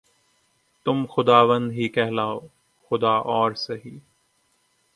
تم خداوند ہی کہلاؤ‘ خدا اور سہی